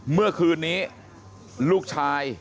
เมื่อคืนนี้ลูกชาย